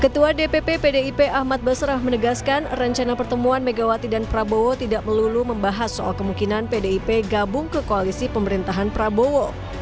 ketua dpp pdip ahmad basrah menegaskan rencana pertemuan megawati dan prabowo tidak melulu membahas soal kemungkinan pdip gabung ke koalisi pemerintahan prabowo